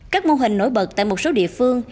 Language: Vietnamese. các mô hình nổi bật tại một số địa phương